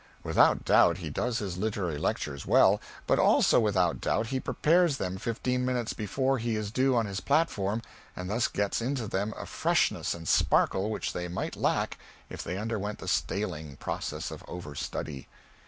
Without doubt he does his literary lectures well, but also without doubt he prepares them fifteen minutes before he is due on his platform and thus gets into them a freshness and sparkle which they might lack if they underwent the staling process of overstudy.